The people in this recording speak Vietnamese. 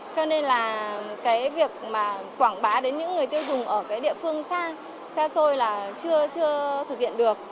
cho nên là cái việc mà quảng bá đến những người tiêu dùng ở cái địa phương xa xôi là chưa thực hiện được